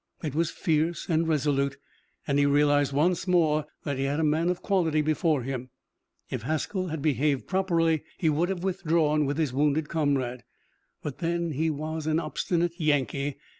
It was fierce and resolute, and he realized once more that he had a man of quality before him. If Haskell had behaved properly he would have withdrawn with his wounded comrade. But then he was an obstinate Yankee.